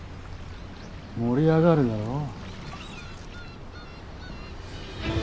盛り上がるだろう。